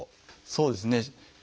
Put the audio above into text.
そうですね